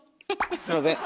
すいません。